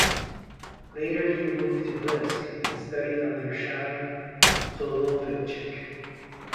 Later he moved to Brisk and studied under Chaim Soloveitchik.